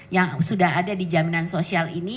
yang sudah ada di jaminan sosial ini